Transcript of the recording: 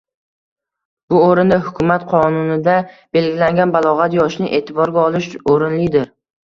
Bu o‘rinda xukumat qonunida belgilangan balog‘at yoshini e'tiborga olish o‘rinlidir